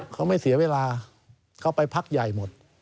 เขาไม่เสียเวลาเขาไปพักใหญ่หมด